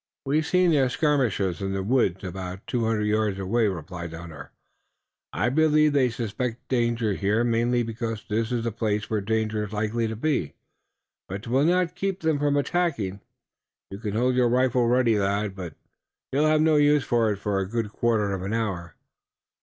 "We've seen their skirmishers in the woods about two hundred yards away," replied the hunter. "I believe they suspect danger here merely because this is a place where danger is likely to be, but 'twill not keep them from attacking. You can hold your rifle ready, lad, but you'll have no use for it for a good quarter of an hour.